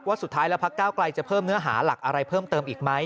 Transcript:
สุดท้ายแล้วพักก้าวไกลจะเพิ่มเนื้อหาหลักอะไรเพิ่มเติมอีกไหม